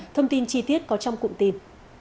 thông tin chi tiết có trong cụm tin